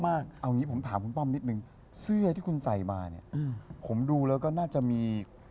เอางี้ผมถามคุณป้อมนิดนึงเสื้อที่คุณใส่มาเนี่ยผมดูแล้วก็น่าจะมี